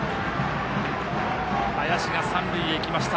林が三塁へ行きました。